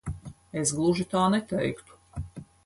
Es gluži tā neteiktu.